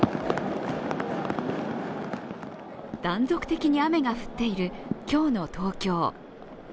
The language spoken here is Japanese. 断続的に雨が降っている今日の東京。